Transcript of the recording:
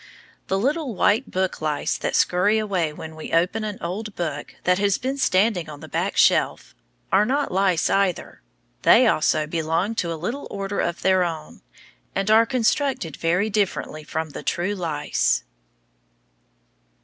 The little white book lice that scurry away when we open an old book that has been standing on the back shelf, are not lice, either; they also belong to a little order of their own, and are constructed very differently from the true lice.